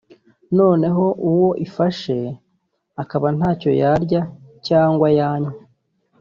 noneho uwo ifashe akaba ntacyo yarya cyangwa yanywa